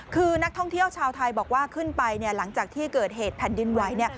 คือนักท่องเที่ยวชาวไทยบอกว่าขึ้นไปเนี่ยหลังจากที่เกิดเหตุแผ่นดินไหว